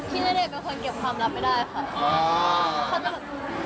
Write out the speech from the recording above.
ณเดชน์เป็นคนเก็บความลับไม่ได้ค่ะ